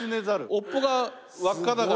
尾っぽが輪っかだから。